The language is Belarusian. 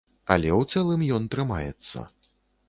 Але, у цэлым, ён трымаецца.